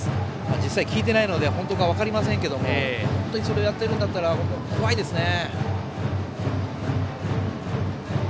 実際聞いてないので本当か分かりませんけどもそれをやっているんだったら怖いですね。